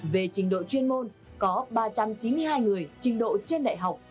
về trình độ chuyên môn có ba trăm chín mươi hai người trình độ trên đại học